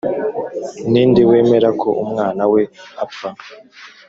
ni nde wemera ko umwana we apfa